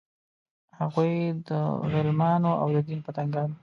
هغوی د غلمانو او د دین پتنګان وو.